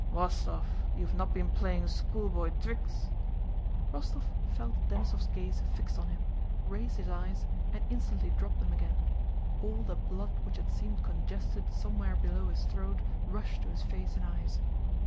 "Wostóv, you've not been playing schoolboy twicks..." Rostóv felt Denísov's gaze fixed on him, raised his eyes, and instantly dropped them again. All the blood which had seemed congested somewhere below his throat rushed to his face and eyes.